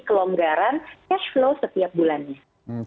kelonggaran cash flow setiap bulannya